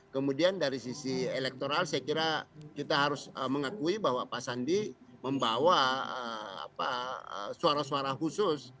kemudian dari sisi elektoral saya kira kita harus mengakui bahwa pak sandi membawa suara suara khusus